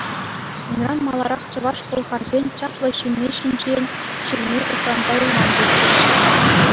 Унран маларах чӑваш-пӑлхарсен чаплӑ ҫынни ҫинчен ҫырни упранса юлман, тетчӗҫ.